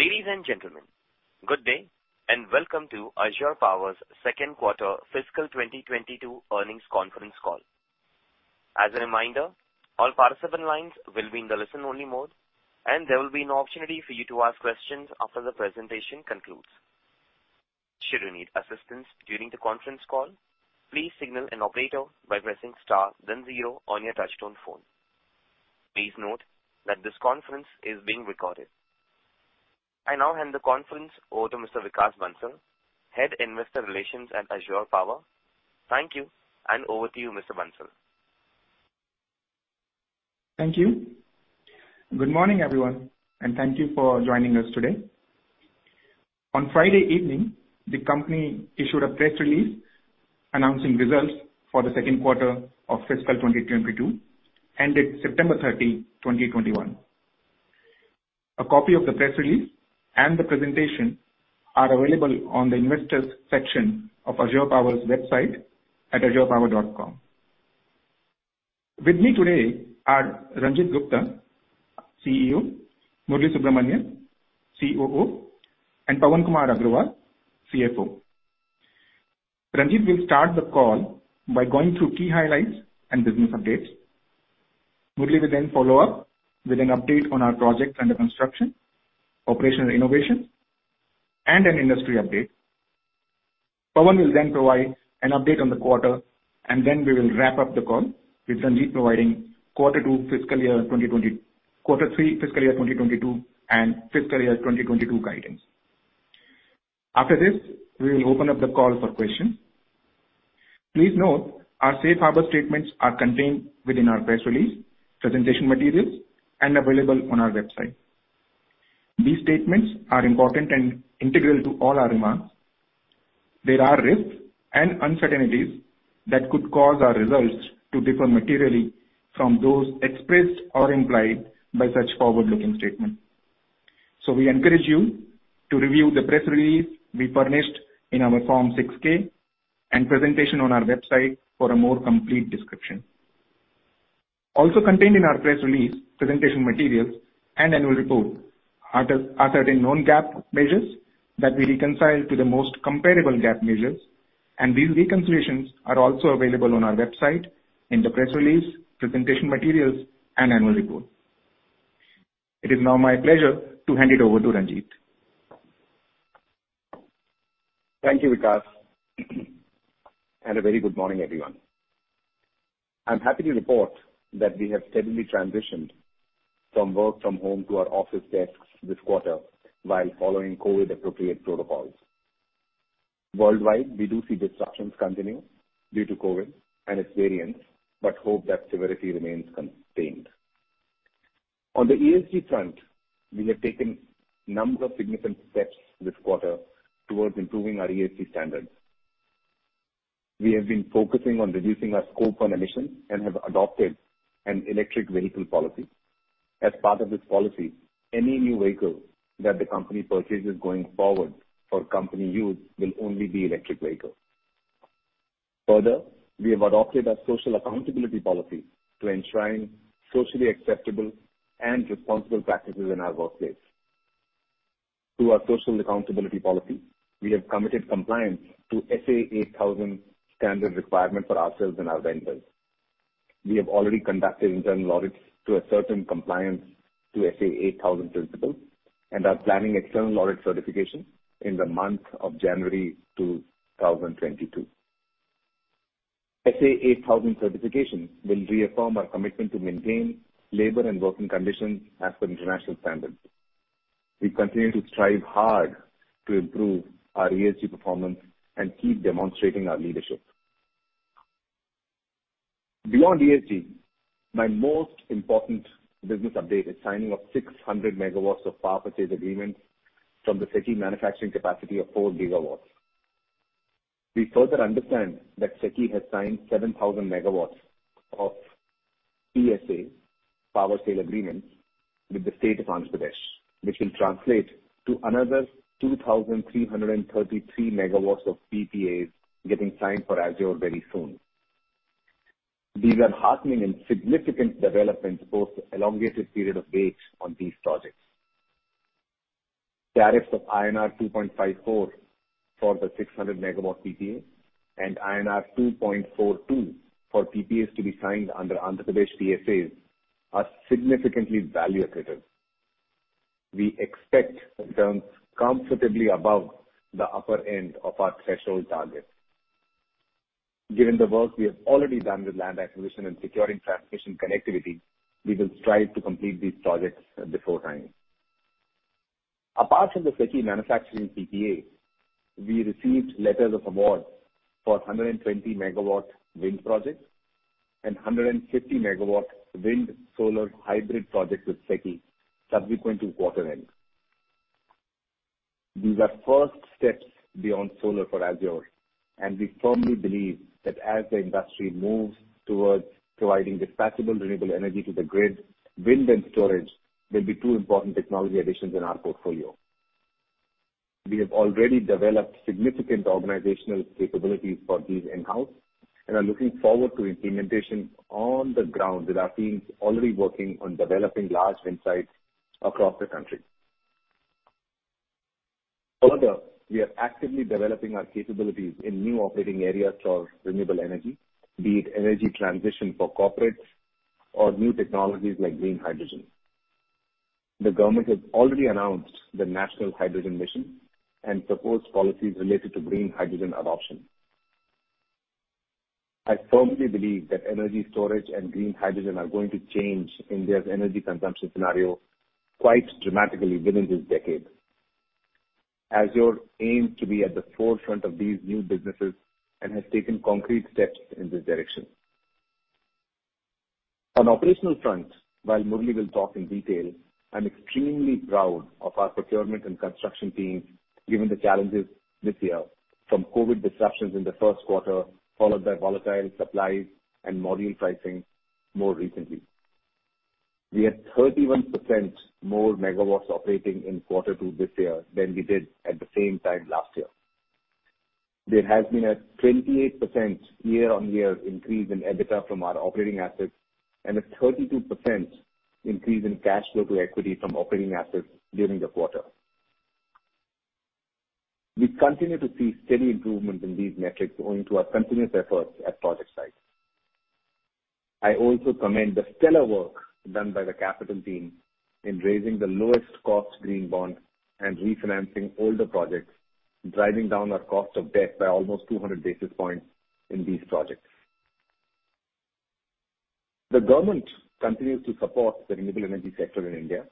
Ladies and gentlemen, good day, and welcome to Azure Power's Q2 fiscal 2022 earnings conference call. As a reminder, all participant lines will be in the listen-only mode, and there will be an opportunity for you to ask questions after the presentation concludes. Should you need assistance during the conference call, please signal an operator by pressing star then zero on your touchtone phone. Please note that this conference is being recorded. I now hand the conference over to Mr. Vikas Bansal, Head, Investor Relations, at Azure Power. Thank you, and over to you, Mr. Bansal. Thank you. Good morning, everyone, and thank you for joining us today. On Friday evening, the company issued a press release announcing results for the Q2 of fiscal 2022, ended 13 September 2021. A copy of the press release and the presentation are available on the investors section of Azure Power's website at azurepower.com. With me today are Ranjit Gupta, CEO, Murali Subramanian, COO, and Pawan Kumar Agrawal, CFO. Ranjit will start the call by going through key highlights and business updates. Murali will then follow up with an update on our projects under construction, operational innovation, and an industry update. Pawan will then provide an update on the quarter, and then we will wrap up the call with Ranjit providing Q3 fiscal year 2022 and fiscal year 2022 guidance. After this, we will open up the call for questions. Please note our safe harbor statements are contained within our press release, presentation materials, and available on our website. These statements are important and integral to all our remarks. There are risks and uncertainties that could cause our results to differ materially from those expressed or implied by such forward-looking statements. We encourage you to review the press release we furnished in our Form 6-K and presentation on our website for a more complete description. Also contained in our press release, presentation materials, and annual report are certain non-GAAP measures that we reconcile to the most comparable GAAP measures, and these reconciliations are also available on our website in the press release, presentation materials, and annual report. It is now my pleasure to hand it over to Ranjit. Thank you, Vikas, and a very good morning, everyone. I'm happy to report that we have steadily transitioned from work from home to our office desks this quarter while following COVID-appropriate protocols. Worldwide, we do see disruptions continue due to COVID and its variants, but hope that severity remains contained. On the ESG front, we have taken number of significant steps this quarter towards improving our ESG standards. We have been focusing on reducing our Scope 1 emissions and have adopted an electric vehicle policy. As part of this policy, any new vehicle that the company purchases going forward for company use will only be electric vehicles. Further, we have adopted a social accountability policy to enshrine socially acceptable and responsible practices in our workplace. Through our social accountability policy, we have committed compliance to SA8000 standard requirement for ourselves and our vendors. We have already conducted internal audits to ensure compliance with SA8000 principles, and are planning external audit certification in the month of January 2022. SA8000 certification will reaffirm our commitment to maintain labor and working conditions as per international standards. We continue to strive hard to improve our ESG performance and keep demonstrating our leadership. Beyond ESG, my most important business update is signing of 600 MW of power purchase agreements from the SECI manufacturing capacity of 4 GW. We further understand that SECI has signed 7,000 MW of PSA, power sale agreements, with the state of Andhra Pradesh, which will translate to another 2,333 MW of PPAs getting signed for Azure very soon. These are heartening and significant developments post elongated period of waits on these projects. Tariffs of INR 2.54 for the 600 MW PPA and INR 2.42 for PPAs to be signed under Andhra Pradesh PSAs are significantly value accretive. We expect returns comfortably above the upper end of our threshold targets. Given the work we have already done with land acquisition and securing transmission connectivity, we will strive to complete these projects before time. Apart from the SECI manufacturing PPA, we received letters of award for a 120 MW wind project and 150 MW wind-solar hybrid project with SECI subsequent to quarter end. These are first steps beyond solar for Azure, and we firmly believe that as the industry moves towards providing dispatchable renewable energy to the grid, wind and storage will be two important technology additions in our portfolio. We have already developed significant organizational capabilities for these in-house and are looking forward to implementation on the ground with our teams already working on developing large sites across the country. Further, we are actively developing our capabilities in new operating areas for renewable energy, be it energy transition for corporates or new technologies like green hydrogen. The government has already announced the National Hydrogen Mission and supports policies related to green hydrogen adoption. I firmly believe that energy storage and green hydrogen are going to change India's energy consumption scenario quite dramatically within this decade. Azure aims to be at the forefront of these new businesses and has taken concrete steps in this direction. On operational front, while Murali will talk in detail, I'm extremely proud of our procurement and construction teams given the challenges this year from COVID disruptions in the Q1, followed by volatile supplies and module pricing more recently. We had 31% more Megawatts operating in Q2 this year than we did at the same time last year. There has been a 28% year-on-year increase in EBITDA from our operating assets and a 32% increase in cash flow to equity from operating assets during the quarter. We continue to see steady improvement in these metrics owing to our continuous efforts at project sites. I also commend the stellar work done by the capital team in raising the lowest cost green bond and refinancing older projects, driving down our cost of debt by almost 200 basis points in these projects. The government continues to support the renewable energy sector in India.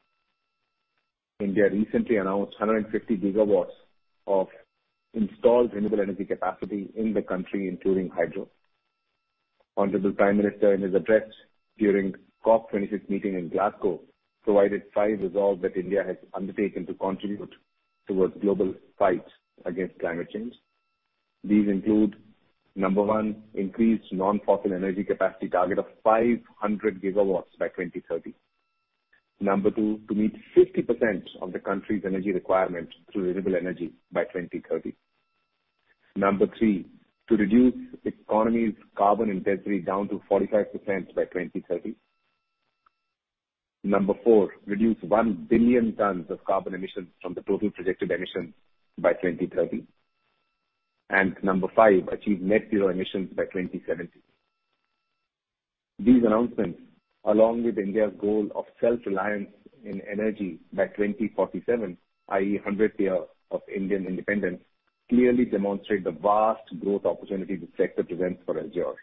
India recently announced 150 GW of installed renewable energy capacity in the country, including hydro. Honorable Prime Minister, in his address during COP26 meeting in Glasgow, provided five resolves that India has undertaken to contribute towards global fight against climate change. These include, number one, increased non-fossil energy capacity target of 500 GW by 2030. Number two, to meet 50% of the country's energy requirements through renewable energy by 2030. Number three, to reduce economy's carbon intensity down to 45% by 2030. Number four, reduce 1 billion tons of carbon emissions from the total projected emissions by 2030. Number five, achieve net zero emissions by 2070. These announcements, along with India's goal of self-reliance in energy by 2047, i.e., 100th year of Indian independence, clearly demonstrate the vast growth opportunity the sector presents for Azure.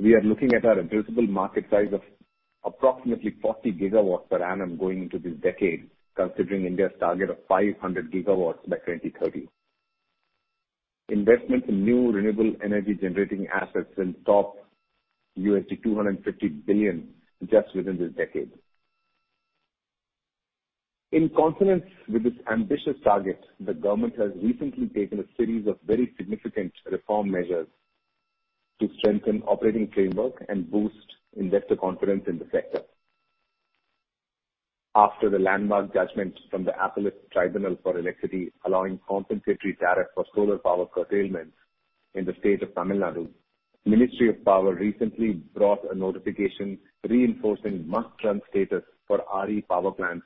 We are looking at our addressable market size of approximately 40 GW per annum going into this decade, considering India's target of 500 GW by 2030. Investment in new renewable energy generating assets will top $250 billion just within this decade. In consonance with this ambitious target, the government has recently taken a series of very significant reform measures to strengthen operating framework and boost investor confidence in the sector. After the landmark judgment from the Appellate Tribunal for Electricity allowing compensatory tariff for solar power curtailment in the state of Tamil Nadu, Ministry of Power recently brought a notification reinforcing must run status for RE power plants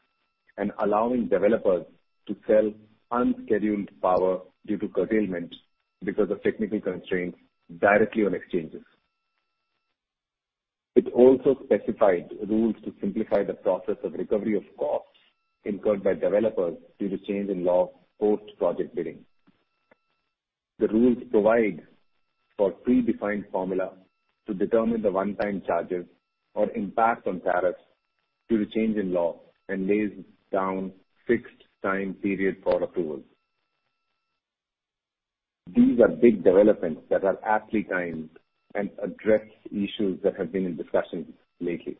and allowing developers to sell unscheduled power due to curtailment because of technical constraints directly on exchanges. It also specified rules to simplify the process of recovery of costs incurred by developers due to change in law post project bidding. The rules provide for predefined formula to determine the one-time charges or impact on tariffs due to change in law and lays down fixed time period for approval. These are big developments that are aptly timed and address issues that have been in discussion lately.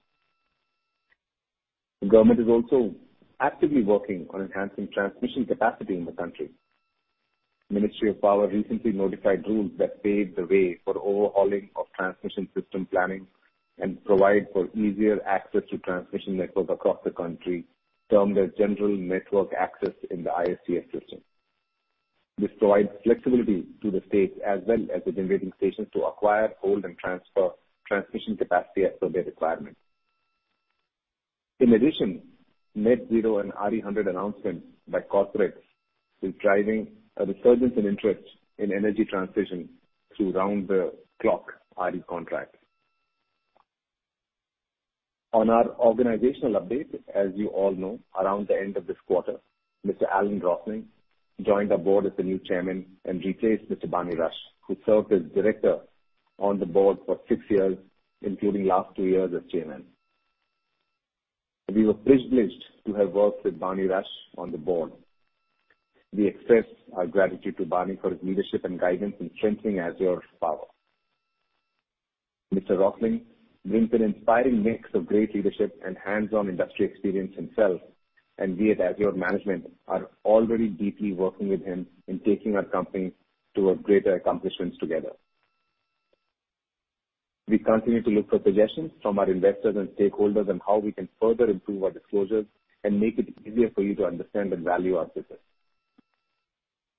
The government is also actively working on enhancing transmission capacity in the country. Ministry of Power recently notified rules that paved the way for overhauling of transmission system planning and provide for easier access to transmission networks across the country, termed as General Network Access in the ISTS system. This provides flexibility to the states as well as the generating stations to acquire, hold, and transfer transmission capacity as per their requirement. In addition, Net Zero and RE100 announcements by corporates is driving a resurgence in interest in energy transition through round-the-clock RE contracts. On our organizational update, as you all know, around the end of this quarter, Mr. Alan Rosling joined our board as the new chairman and replaced Mr. Barney Rush, who served as director on the board for six years, including last two years as chairman. We were privileged to have worked with Barney Rush on the board. We express our gratitude to Barney for his leadership and guidance in strengthening Azure Power. Mr. Rosling brings an inspiring mix of great leadership and hands-on industry experience himself, and we at Azure management are already deeply working with him in taking our company to greater accomplishments together. We continue to look for suggestions from our investors and stakeholders on how we can further improve our disclosures and make it easier for you to understand and value our business.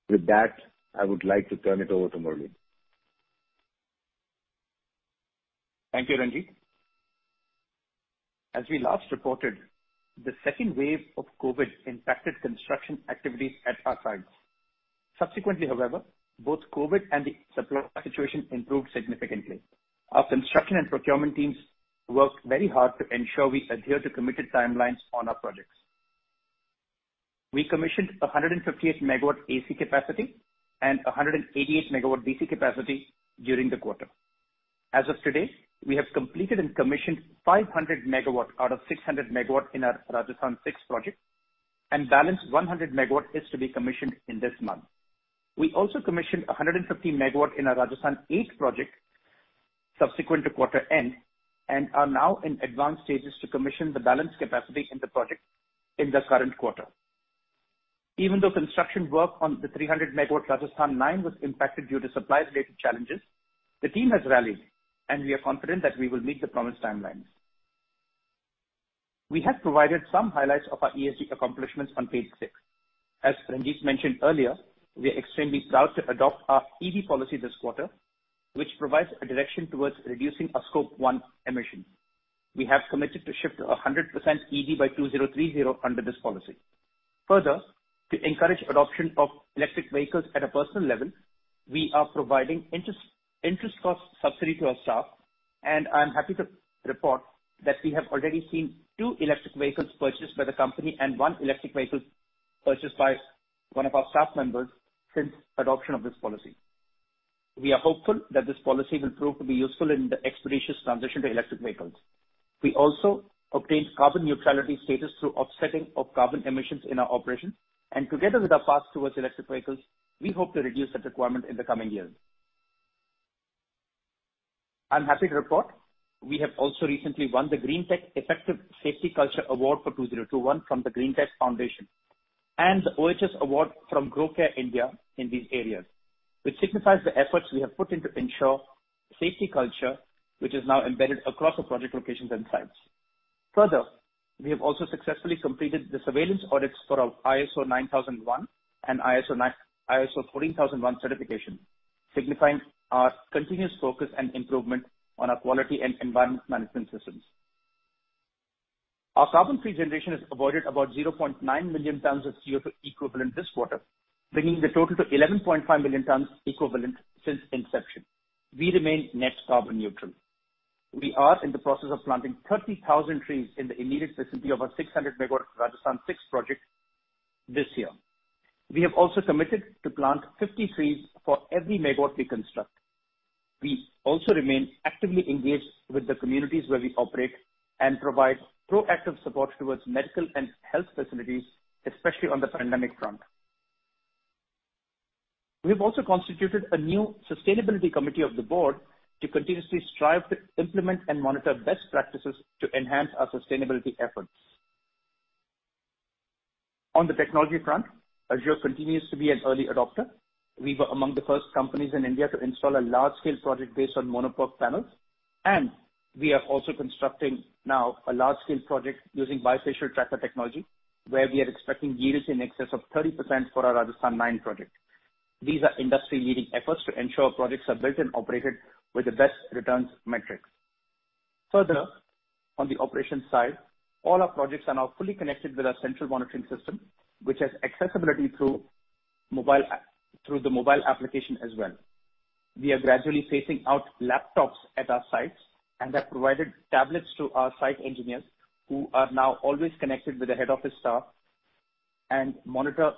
With that, I would like to turn it over to Murali. Thank you, Ranjit. As we last reported, the second wave of COVID impacted construction activities at our sites. Subsequently, however, both COVID and the supply situation improved significantly. Our construction and procurement teams worked very hard to ensure we adhere to committed timelines on our projects. We commissioned 158 MW AC capacity and 188 MW DC capacity during the quarter. As of today, we have completed and commissioned 500 MW out of 600 MW in our Rajasthan 6 project and balance 100 MW is to be commissioned in this month. We also commissioned 150 MW in our Rajasthan 8 project subsequent to quarter end, and are now in advanced stages to commission the balance capacity in the project in the current quarter. Even though construction work on the 300 MW Rajasthan 9 was impacted due to supply-related challenges, the team has rallied and we are confident that we will meet the promised timelines. We have provided some highlights of our ESG accomplishments on page six. As Ranjit mentioned earlier, we are extremely proud to adopt our EV policy this quarter, which provides a direction towards reducing our Scope 1 emission. We have committed to shift to 100% EV by 2030 under this policy. Further, to encourage adoption of electric vehicles at a personal level, we are providing interest cost subsidy to our staff, and I am happy to report that we have already seen two electric vehicles purchased by the company and one electric vehicle purchased by one of our staff members since adoption of this policy. We are hopeful that this policy will prove to be useful in the expeditious transition to electric vehicles. We also obtained carbon neutrality status through offsetting of carbon emissions in our operations, and together with our path towards electric vehicles, we hope to reduce that requirement in the coming years. I'm happy to report we have also recently won the Greentech Effective Safety Culture Award for 2021 from the Greentech Foundation. The OHS Award from Grow Care India in these areas, which signifies the efforts we have put in to ensure safety culture, which is now embedded across our project locations and sites. Further, we have also successfully completed the surveillance audits for our ISO 9001 and ISO 14001 certification, signifying our continuous focus and improvement on our quality and environment management systems. Our carbon-free generation has avoided about 0.9 million tons of CO2 equivalent this quarter, bringing the total to 11.5 million tons equivalent since inception. We remain net carbon neutral. We are in the process of planting 30,000 trees in the immediate vicinity of our 600 MW Rajasthan 6 project this year. We have also committed to plant 50 trees for every MW we construct. We also remain actively engaged with the communities where we operate and provide proactive support towards medical and health facilities, especially on the pandemic front. We have also constituted a new sustainability committee of the board to continuously strive to implement and monitor best practices to enhance our sustainability efforts. On the technology front, Azure continues to be an early adopter. We were among the first companies in India to install a large-scale project based on mono PERC panels, and we are also constructing now a large-scale project using bifacial tracker technology, where we are expecting yields in excess of 30% for our Rajasthan 9 project. These are industry-leading efforts to ensure our projects are built and operated with the best returns metrics. Further, on the operations side, all our projects are now fully connected with our central monitoring system, which has accessibility through the mobile application as well. We are gradually phasing out laptops at our sites and have provided tablets to our site engineers who are now always connected with the head office staff and monitor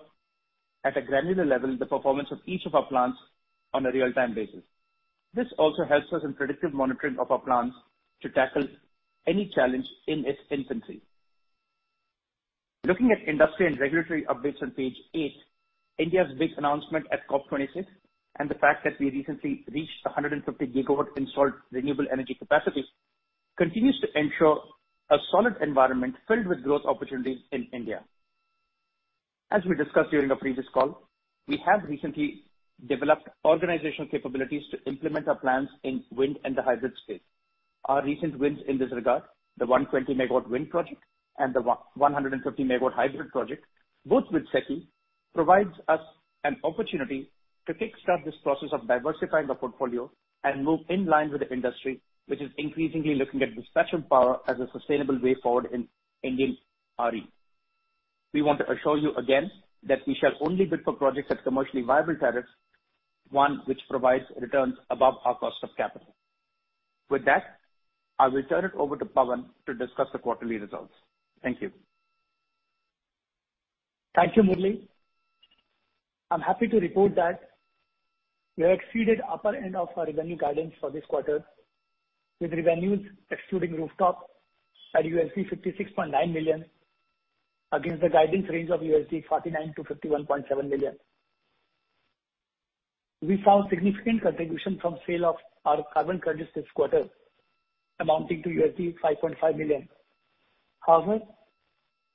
at a granular level the performance of each of our plants on a real-time basis. This also helps us in predictive monitoring of our plants to tackle any challenge in its infancy. Looking at industry and regulatory updates on page eight, India's big announcement at COP26 and the fact that we recently reached 150 GW installed renewable energy capacities continues to ensure a solid environment filled with growth opportunities in India. As we discussed during our previous call, we have recently developed organizational capabilities to implement our plans in wind and the hybrid space. Our recent wins in this regard, the 120 MW wind project and the 150 MW hybrid project, both with SECI, provides us an opportunity to kick-start this process of diversifying the portfolio and move in line with the industry, which is increasingly looking at dispatch of power as a sustainable way forward in Indian RE. We want to assure you again that we shall only bid for projects at commercially viable tariffs, one which provides returns above our cost of capital. With that, I will turn it over to Pawan to discuss the quarterly results. Thank you. Thank you, Murali. I'm happy to report that we have exceeded upper end of our revenue guidance for this quarter, with revenues excluding rooftop at $56.9 million against the guidance range of $49 to 51.7 million. We found significant contribution from sale of our carbon credits this quarter amounting to $5.5 million. However,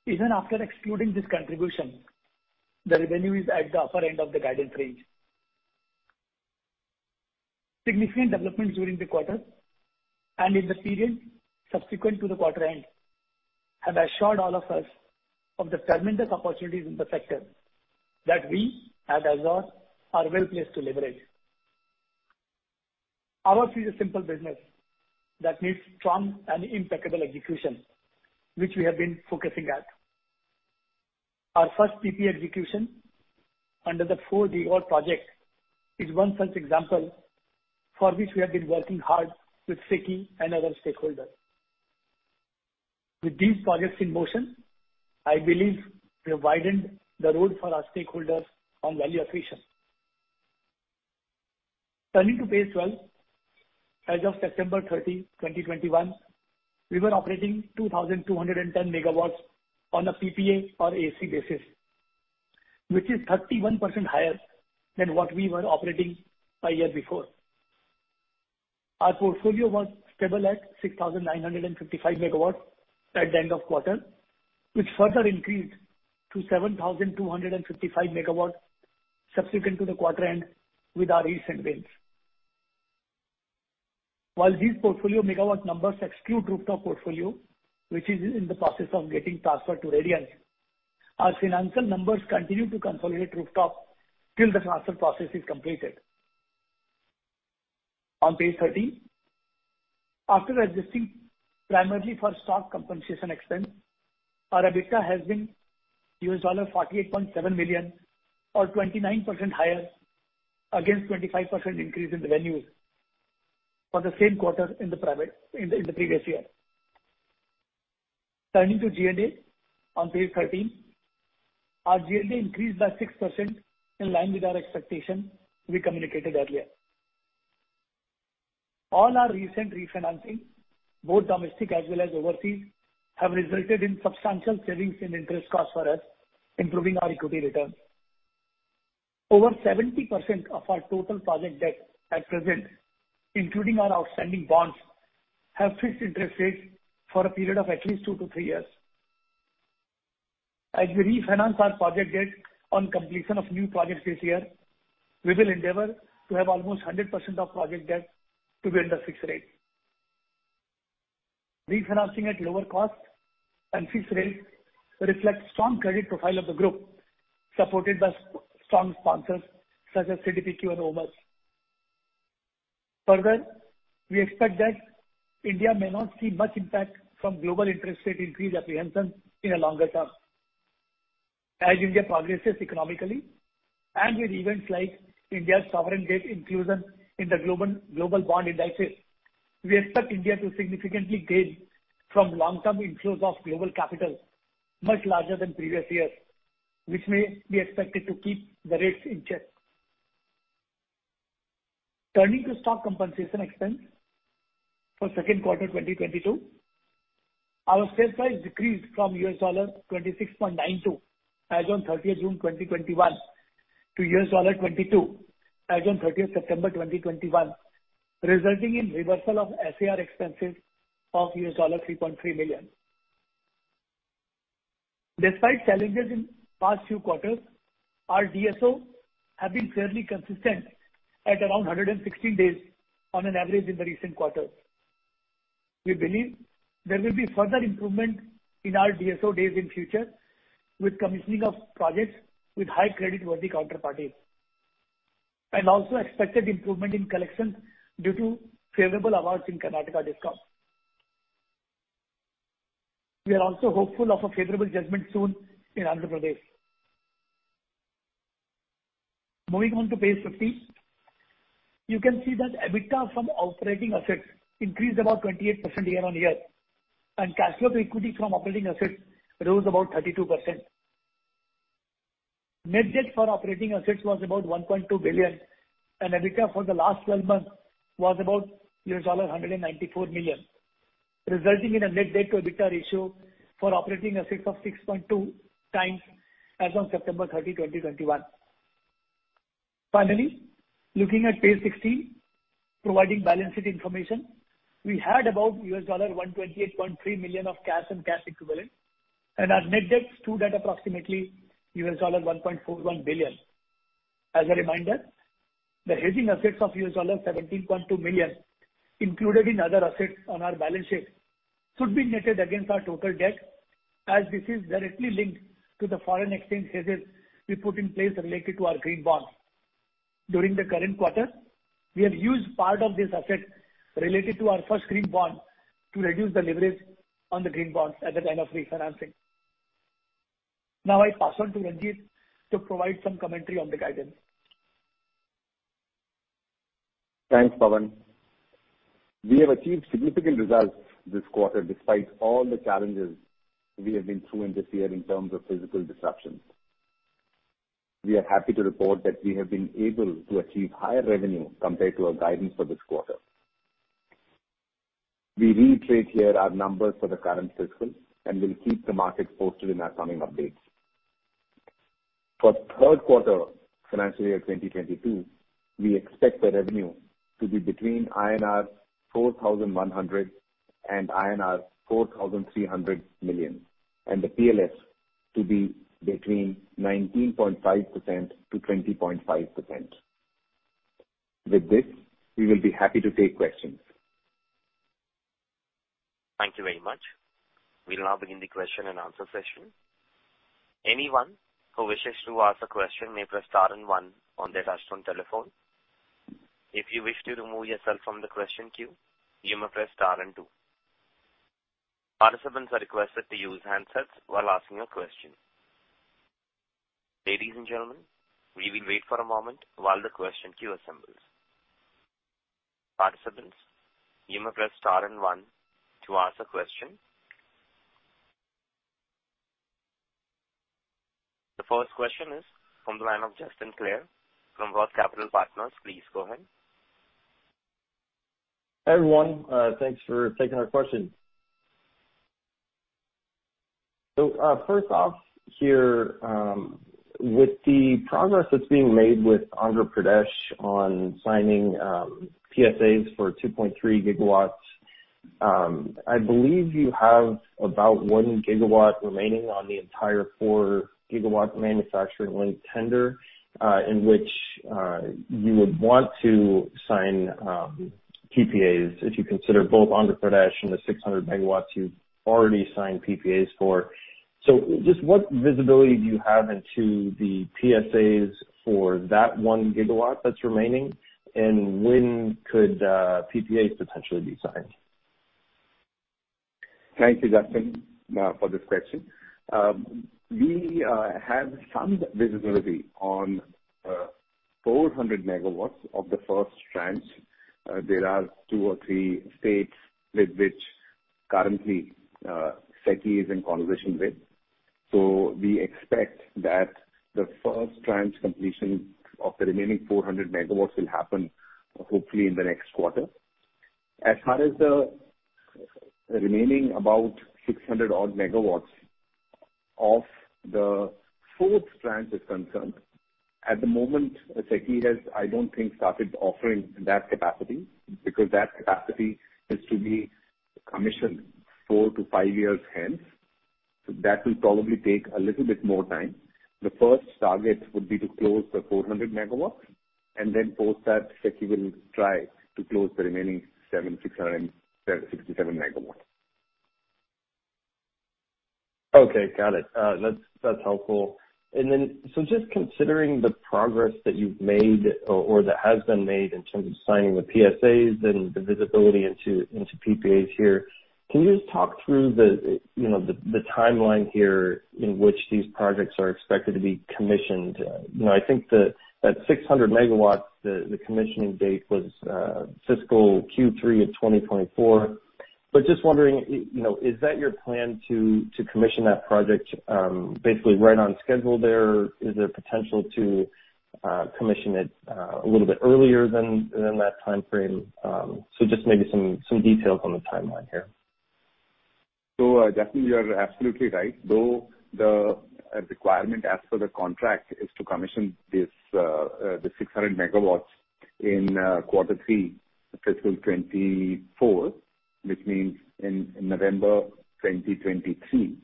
even after excluding this contribution, the revenue is at the upper end of the guidance range. Significant developments during the quarter and in the period subsequent to the quarter end have assured all of us of the tremendous opportunities in the sector that we at Azure are well-placed to leverage. Ours is a simple business that needs strong and impeccable execution, which we have been focusing on. Our first PPA execution under the 4-year-old project is one such example, for which we have been working hard with SECI and other stakeholders. With these projects in motion, I believe we have widened the road for our stakeholders on value accretion. Turning to page 12. As of 30 September 2021, we were operating 2,210 MW on a PPA or AC basis, which is 31% higher than what we were operating a year before. Our portfolio was stable at 6,955 MW at the end of quarter, which further increased to 7,255 MW subsequent to the quarter end with our recent wins. While these portfolio Megawatts numbers exclude rooftop portfolio, which is in the process of getting transferred to Radiance, our financial numbers continue to consolidate rooftop till the transfer process is completed. On page 13. After adjusting primarily for stock compensation expense, our EBITDA has been $48.7 million or 29% higher against 25% increase in revenues for the same quarter in the previous year. Turning to JDA on page 13. Our JDA increased by 6% in line with our expectation we communicated earlier. All our recent refinancing, both domestic as well as overseas, have resulted in substantial savings in interest costs for us, improving our equity returns. Over 70% of our total project debt at present, including our outstanding bonds, have fixed interest rates for a period of at least two to three years. As we refinance our project debt on completion of new projects this year, we will endeavor to have almost 100% of project debt to be under fixed rate. Refinancing at lower cost and fixed rate reflects strong credit profile of the group, supported by strong sponsors such as CDPQ and OMERS. Further, we expect that India may not see much impact from global interest rate increase apprehension in a longer term. As India progresses economically, and with events like India's sovereign debt inclusion in the global bond indices, we expect India to significantly gain from long-term inflows of global capital much larger than previous years, which may be expected to keep the rates in check. Turning to stock compensation expense for Q2 2022. Our share price decreased from $26.92 as on 30 June 2021 to $22 as on 30 September 2021, resulting in reversal of SAR expenses of $3.3 million. Despite challenges in past few quarters, our DSO has been fairly consistent at around 116 days on an average in the recent quarters. We believe there will be further improvement in our DSO days in future with commissioning of projects with high creditworthy counterparties, and also expected improvement in collections due to favorable awards in Karnataka dispute. We are also hopeful of a favorable judgment soon in Andhra Pradesh. Moving on to page 15. You can see that EBITDA from operating assets increased about 28% year-on-year, and cash flow to equity from operating assets rose about 32%. Net debt for operating assets was about $1.2 billion, and EBITDA for the last 12 months was about $194 million, resulting in a net debt to EBITDA ratio for operating assets of 6.2x as on 30 September 2021. Finally, looking at page 16, providing balance sheet information. We had about $128.3 million of cash and cash equivalents, and our net debt stood at approximately $1.41 billion. As a reminder, the hedging assets of $17.2 million included in other assets on our balance sheet should be netted against our total debt as this is directly linked to the foreign exchange hedges we put in place related to our green bonds. During the current quarter, we have used part of this asset related to our first green bond to reduce the leverage on the green bonds as a kind of refinancing. Now I pass on to Ranjit to provide some commentary on the guidance. Thanks, Pawan. We have achieved significant results this quarter despite all the challenges we have been through in this year in terms of physical disruptions. We are happy to report that we have been able to achieve higher revenue compared to our guidance for this quarter. We reiterate here our numbers for the current fiscal and will keep the market posted in our coming updates. For Q3 financial year 2022, we expect the revenue to be between INR 4,100 million and INR 4,300 million, and the PLF to be between 19.5% to 20.5%. With this, we will be happy to take questions. Thank you very much. We'll now begin the question and answer session. Anyone who wishes to ask a question may press star and one on their touchtone telephone. If you wish to remove yourself from the question queue, you may press star and two. Participants are requested to use handsets while asking a question. Ladies and gentlemen, we will wait for a moment while the question queue assembles. Participants, you may press star and one to ask a question. The first question is from the line of Justin Clare from Roth Capital Partners. Please go ahead. Hi, everyone. Thanks for taking our question. First off here, with the progress that's being made with Andhra Pradesh on signing PSAs for 2.3 GW, I believe you have about 1 GW remaining on the entire 4 GW manufacturing-linked tender, in which you would want to sign PPAs if you consider both Andhra Pradesh and the 600 MW you've already signed PPAs for. Just what visibility do you have into the PSAs for that 1 GW that's remaining? And when could PPAs potentially be signed? Thank you, Justin, for this question. We have some visibility on 400 MW of the first tranche. There are two or three states with which currently SECI is in conversation with. We expect that the first tranche completion of the remaining 400 MW will happen hopefully in the next quarter. As far as the remaining about 600 odd MW of the fourth tranche is concerned, at the moment, SECI has, I don't think, started offering that capacity because that capacity is to be commissioned four to five years hence. That will probably take a little bit more time. The first target would be to close the 400 MW, and then post that, SECI will try to close the remaining 767 MW. Okay. Got it. That's helpful. Just considering the progress that you've made or that has been made in terms of signing the PSAs and the visibility into PPAs here, can you just talk through you know, the timeline here in which these projects are expected to be commissioned? You know, I think that 600 MW, the commissioning date was fiscal Q3 of 2024. Just wondering, you know, is that your plan to commission that project basically right on schedule there? Is there potential to commission it a little bit earlier than that timeframe? Just maybe some details on the timeline here. Justin, you're absolutely right. Though the requirement as per the contract is to commission this, the 600 MW in Q3 FY 2024, which means in November 2023,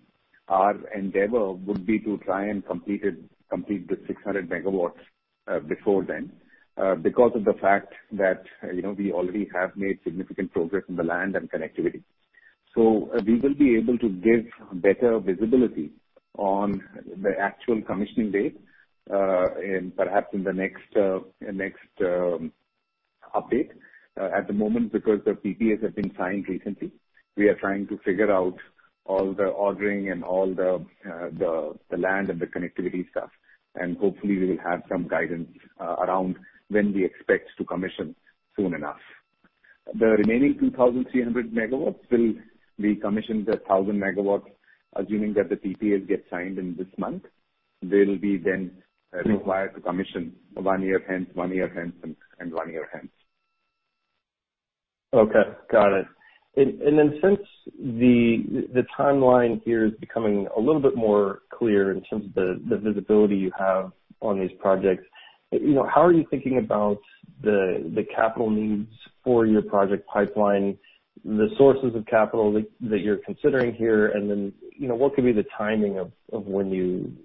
our endeavor would be to try and complete it, the 600 MW, before then, because of the fact that, you know, we already have made significant progress in the land and connectivity. We will be able to give better visibility on the actual commissioning date, in perhaps the next update. At the moment, because the PPAs have been signed recently, we are trying to figure out all the ordering and all the land and the connectivity stuff. Hopefully we will have some guidance around when we expect to commission soon enough. The remaining 2,300 MW will be commissioned at 1,000 MW assuming that the PPAs get signed this month. They will be then required to commission one year hence, one year hence, and one year hence. Okay. Got it. Since the timeline here is becoming a little bit more clear in terms of the visibility you have on these projects, you know, how are you thinking about the capital needs for your project pipeline, the sources of capital that you're considering here? You know, what could be the timing of when you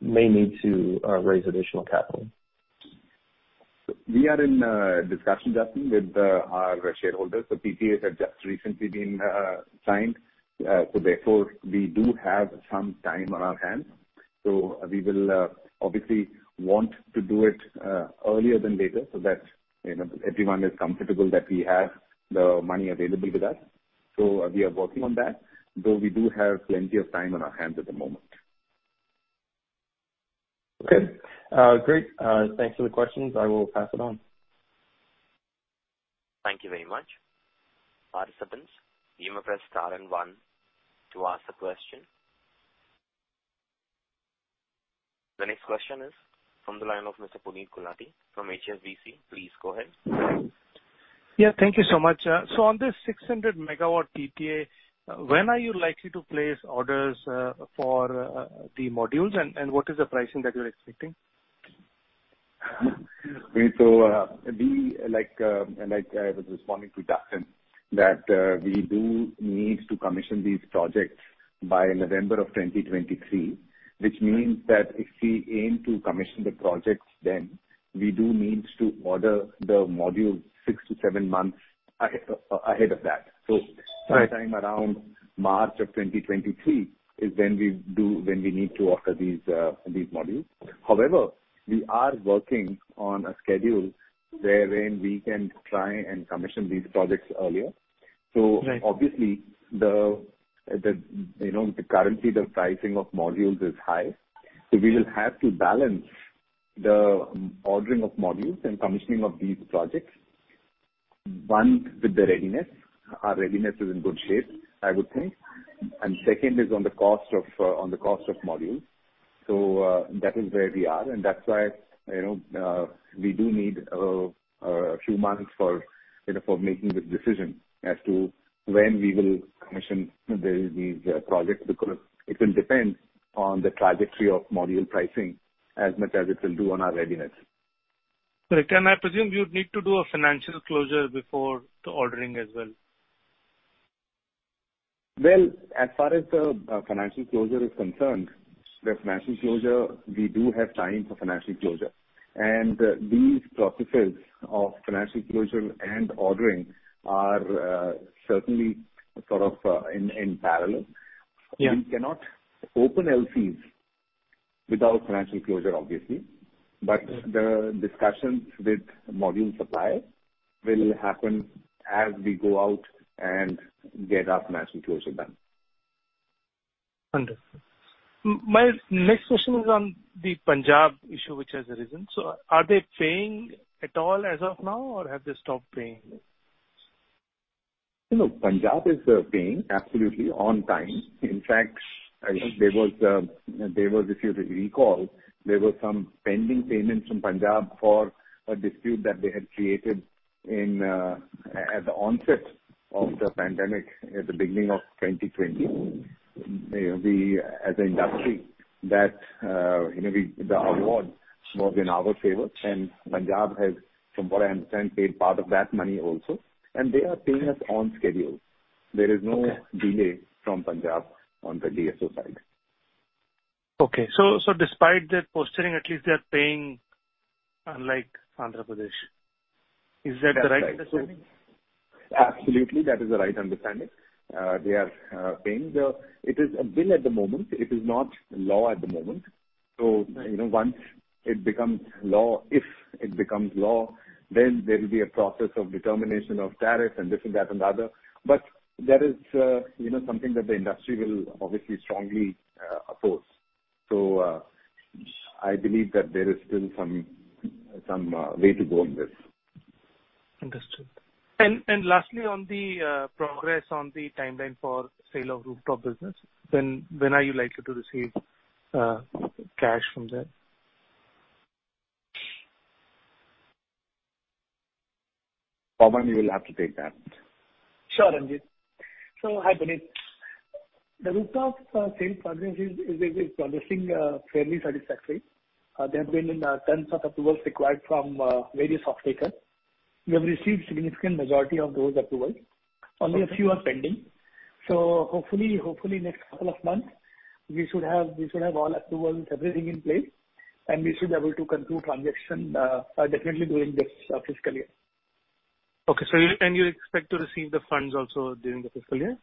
may need to raise additional capital? We are in discussion, Justin, with our shareholders the PPAs have just recently been signed. Therefore we do have some time on our hands. We will obviously want to do it earlier than later so that, you know, everyone is comfortable that we have the money available with us. We are working on that, though we do have plenty of time on our hands at the moment. Okay. Great. Thanks for the questions. I will pass it on. Thank you very much. Participants, you may press star and one to ask a question. The next question is from the line of Mr. Puneet Gulati from HSBC. Please go ahead. Yeah. Thank you so much. On this 600 MW PPA, when are you likely to place orders for the modules? What is the pricing that you're expecting? We, like I was responding to Justin Clare, that we do need to commission these projects by November 2023. Which means that if we aim to commission the projects, then we do need to order the modules six to seven months ahead of that. Right. Sometime around March of 2023 is when we need to order these modules however, we are working on a schedule wherein we can try and commission these projects earlier. Right. Obviously you know currently the pricing of modules is high so we will have to balance the ordering of modules and commissioning of these projects one with the readiness. Our readiness is in good shape I would think. Second is on the cost of modules. That is where we are that's why you know we do need a few months for you know for making the decision as to when we will commission these projects because it will depend on the trajectory of module pricing as much as it will do on our readiness. Sir, can I presume you'd need to do a financial closure before the ordering as well? Well, as far as the financial closure is concerned, we do have time for financial closure. These processes of financial closure and ordering are certainly sort of in parallel. Yeah. We cannot open LCs without financial closure, obviously. The discussions with module suppliers will happen as we go out and get our financial closure done. Understood. My next question is on the Punjab issue which has arisen so are they paying? at all as of now, or have they stopped paying? No, Punjab is paying absolutely on time. In fact, I think there was, if you recall, there were some pending payments from Punjab for a dispute that they had created at the onset of the pandemic at the beginning of 2020. The award was in our favor. Punjab has, from what I understand, paid part of that money also. They are paying us on schedule. Okay. There is no delay from Punjab on the DSO side. Despite that posturing, at least they're paying, unlike Andhra Pradesh. Is that the right understanding? That's right absolutely, that is the right understanding. They are paying. It is a bill at the moment it is not law at the moment. Right. You know, once it becomes law, if it becomes law, then there will be a process of determination of tariff and this and that and the other. That is, you know, something that the industry will obviously strongly oppose. I believe that there is still some way to go in this. Understood. Lastly, on the progress on the timeline for sale of rooftop business, when are you likely to receive cash from that? Pawan, you will have to take that. Sure, Ranjit. Hi, Puneet. The rooftop sales progress is progressing fairly satisfactory. There have been tons of approvals required from various off-takers. We have received significant majority of those approvals. Okay. Only a few are pending. Hopefully next couple of months, we should have all approvals, everything in place. We should be able to conclude transaction definitely during this fiscal year. Okay. Can you expect to receive the funds also during the fiscal year?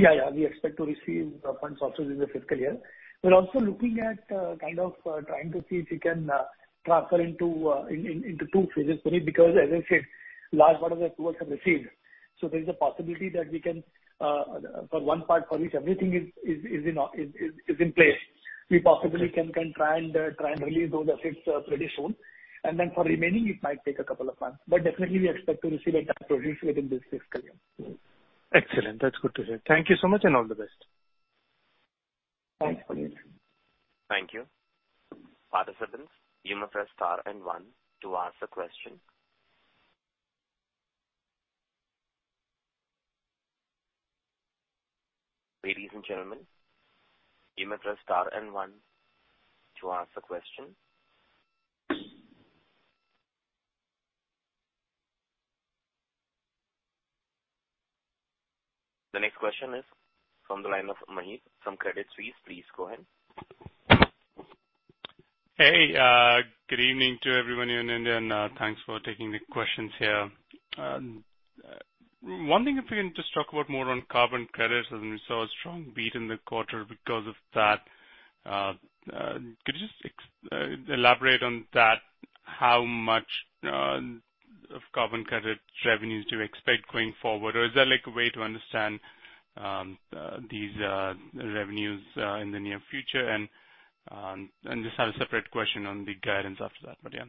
Yeah, yeah. We expect to receive the funds also during the fiscal year. We're also looking at kind of trying to see if we can transfer into two phases, Puneet because as I said, large part of the approvals have received. There is a possibility that we can for one part for which everything is in place. Okay. We possibly can try and release those assets pretty soon. Then for remaining, it might take a couple of months definitely we expect to receive a large portion within this fiscal year. Excellent that's good to hear thank you so much, and all the best. Thanks, Puneet. Thank you. Participants, you may press star and one to ask a question. Ladies and gentlemen, you may press star and one to ask a question. The next question is from the line of Maheep Mandloi from Credit Suisse. Please go ahead. Hey. Good evening to everyone here in India, and thanks for taking the questions here. Wondering if we can just talk about more on carbon credits, and we saw a strong beat in the quarter because of that. Could you just elaborate on that? How much of carbon credit revenues do you expect going forward? Or is there like a way to understand these revenues in the near future? Just have a separate question on the guidance after that, but yeah.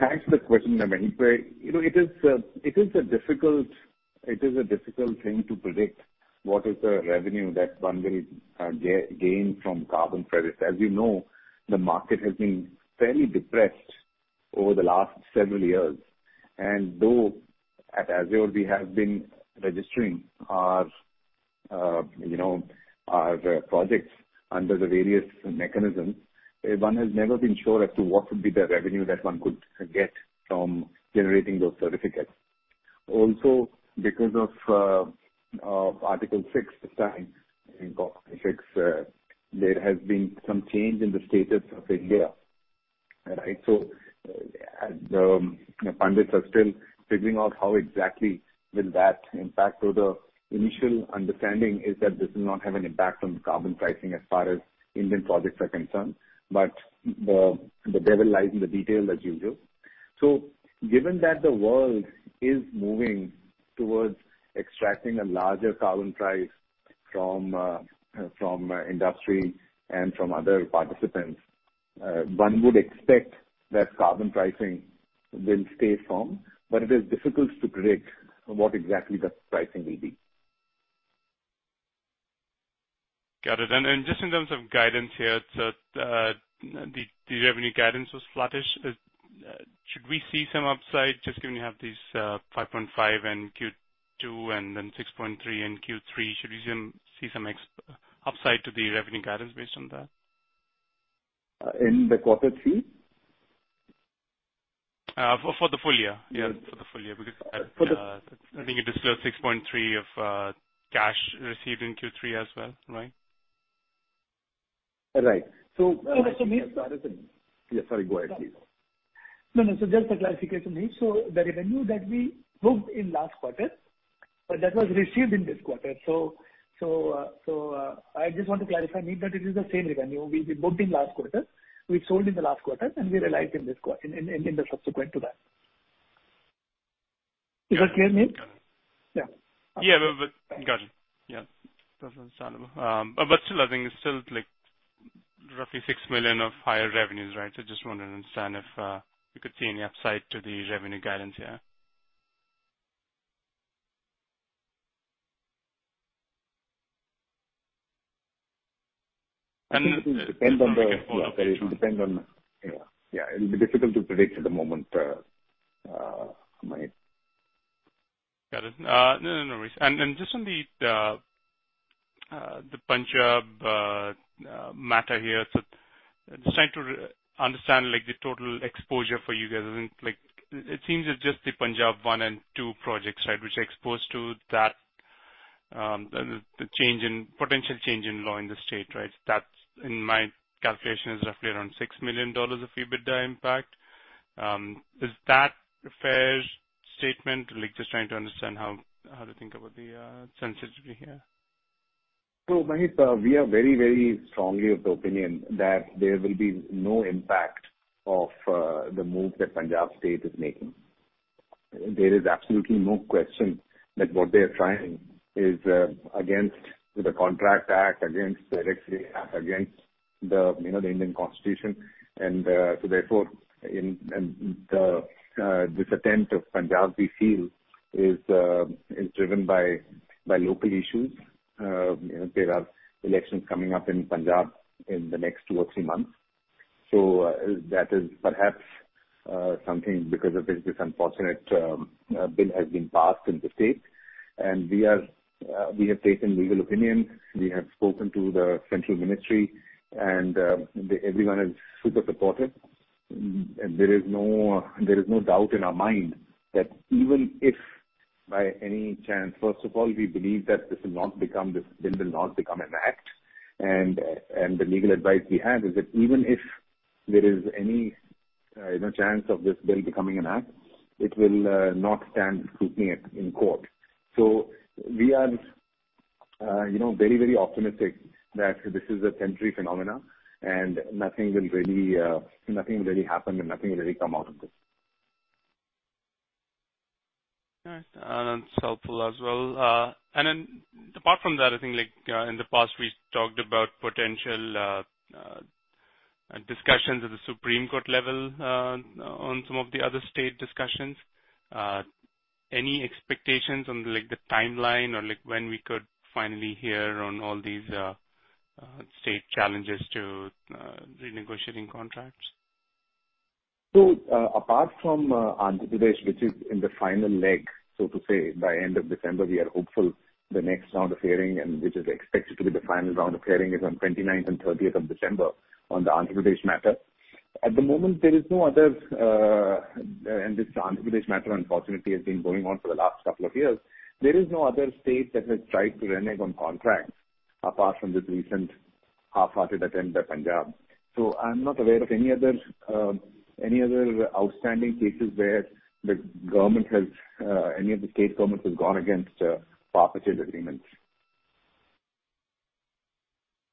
Thanks for the question, Maheep. You know, it is a difficult thing to predict what is the revenue that one will gain from carbon credits as we know, the market has been fairly depressed over the last several years. Though at Azure we have been registering our, you know, projects under the various mechanisms, one has never been sure as to what would be the revenue that one could get from generating those certificates. Also, because of Article 6 signed, I think Article 6, there has been some change in the status of India. Right. You know, the pundits are still figuring out how exactly will that impact though the initial understanding is that this will not have any impact on carbon pricing as far as Indian projects are concerned, but the devil lies in the detail, as usual. Given that the world is moving towards extracting a larger carbon price from industry and from other participants, one would expect that carbon pricing will stay firm, but it is difficult to predict what exactly that pricing will be. Got it. Then just in terms of guidance here, so the revenue guidance was flattish. Should we see some upside just given you have these $5.5 million in Q2 and then $6.3 million in Q3? Should we see some upside to the revenue guidance based on that? In the Q3? For the full year. Yeah, for the full year. For the- Because, I think you disclosed $6.3 million of cash received in Q3 as well, right? Right. Yes, sorry. Go ahead, please. No, no. Just for clarification, Maheep. The revenue that we booked in last quarter? but that was received in this quarter. I just want to clarify, Maheep, that it is the same revenue we booked in last quarter. We sold in the last quarter, and we realized in the subsequent to that. Is that clear, Maheep? Yeah. Yeah. Got it. Yeah. That's understandable. Still I think it's still, like, roughly $6 million of higher revenues, right? Just wanted to understand if we could see any upside to the revenue guidance here. It will depend on, you know. Yeah. It'll be difficult to predict at the moment. Got it. No worries. Just on the Punjab matter here. Just trying to understand, like, the total exposure for you guys. I think, like, it seems it's just the Punjab one and two projects, right, which are exposed to that, the potential change in law in the state, right? That's in my calculation is roughly around $6 million of EBITDA impact. Is that a fair statement? Like, just trying to understand how to think about the sensitivity here. Maheep, we are very, very strongly of the opinion that there will be no impact of the move that Punjab state is making. There is absolutely no question that what they are trying is against the contract act, against the act, against the, you know, the Indian constitution. Therefore, in this attempt of Punjab, we feel is driven by local issues. You know, there are elections coming up in Punjab in the next two or three months. That is perhaps something because of this unfortunate bill has been passed in the state. We have taken legal opinion. We have spoken to the central ministry, and everyone is super supportive. There is no doubt in our mind that even if by any chance, first of all, we believe that this will not become an act. The legal advice we have is that even if there is any chance of this bill becoming an act, it will not stand scrutiny in court. We are very optimistic that this is a temporary phenomenon and nothing will really happen and nothing really come out of this. All right. That's helpful as well. Then apart from that, I think like, in the past we've talked about potential discussions at the Supreme Court level on some of the other state discussions. Any expectations on, like, the timeline or, like, when we could finally hear on all these state challenges to renegotiating contracts? Apart from Andhra Pradesh, which is in the final leg, so to say, by end of December, we are hopeful the next round of hearing and which is expected to be the final round of hearing is on 29th and 30th of December on the Andhra Pradesh matter. At the moment, there is no other, and this Andhra Pradesh matter unfortunately has been going on for the last couple of years. There is no other state that has tried to renege on contracts apart from this recent half-hearted attempt by Punjab. I'm not aware of any other outstanding cases where the government has any of the state governments has gone against profit-share agreements.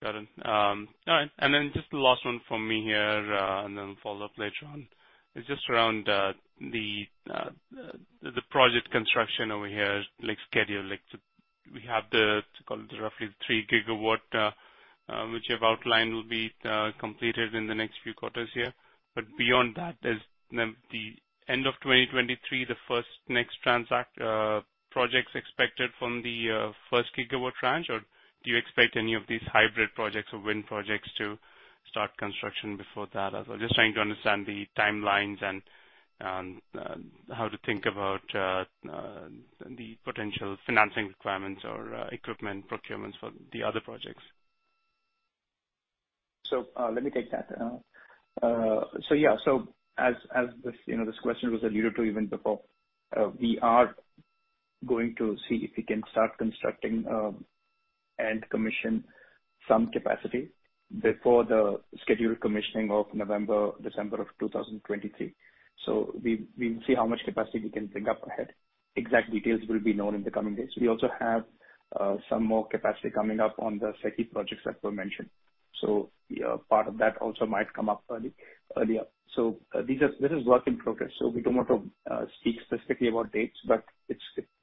Got it. All right. just the last one from me here, and then follow up later on. It's just around the project construction over here, like schedule. We have what you call the roughly 3 GW which you have outlined will be completed in the next few quarters here. Beyond that, is the end of 2023 the first next transactions projects expected from the first Gigawatts tranche? Or do you expect any of these hybrid projects or wind projects to start construction before that as well? Just trying to understand the timelines and how to think about the potential financing requirements or equipment procurements for the other projects. Let me take that. Yeah, as this you know, this question was alluded to even before, we are going to see if we can start constructing and commission some capacity before the scheduled commissioning of November, December 2023. We'll see how much capacity we can bring up ahead. Exact details will be known in the coming days we also have some more capacity coming up on the SECI projects that were mentioned. Part of that also might come up early, earlier. This is work in progress, so we don't want to speak specifically about dates, but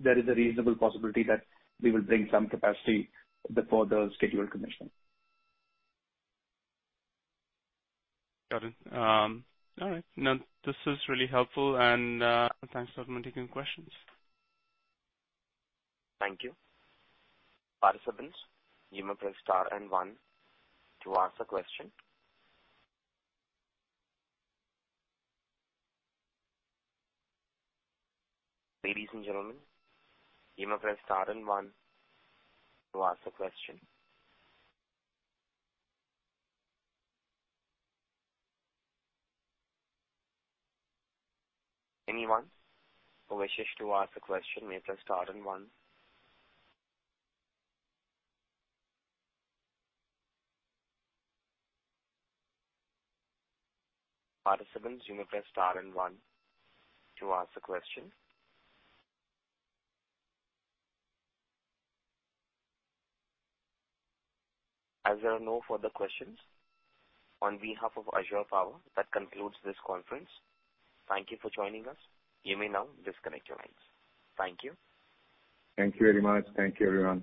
there is a reasonable possibility that we will bring some capacity before the scheduled commission. Got it. All right. No, this is really helpful and, thanks for taking questions. Thank you. As there are no further questions, on behalf of Azure Power, that concludes this conference. Thank you for joining us. You may now disconnect your lines. Thank you. Thank you very much. Thank you, everyone.